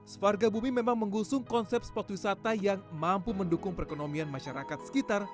sefarga bumi memang mengusung konsep spot wisata yang mampu mendukung perekonomian masyarakat sekitar